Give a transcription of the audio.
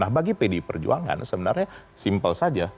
nah bagi pdi perjuangan sebenarnya simpel saja